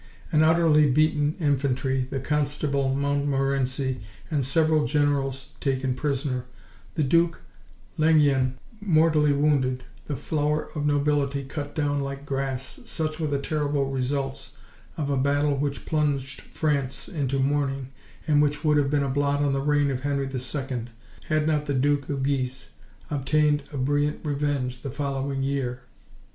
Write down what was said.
An utterly beaten infantry, the Constable Montmorency and several generals taken prisoner, the Duke d'Enghien mortally wounded, the flower of the nobility cut down like grass,—such were the terrible results of a battle which plunged France into mourning, and which would have been a blot on the reign of Henry II, had not the Duke of Guise obtained a brilliant revenge the following year.